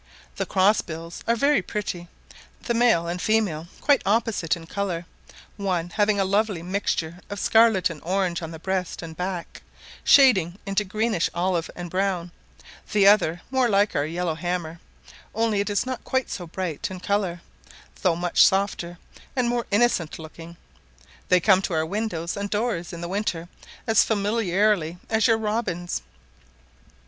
The cross bills are very pretty; the male and female quite opposite in colour, one having a lovely mixture of scarlet and orange on the breast and back, shading into greenish olive and brown; the other more like our yellowhammer, only it is not quite so bright in colour, though much softer, and more innocent looking: they come to our windows and doors in the winter as familiarly as your robins.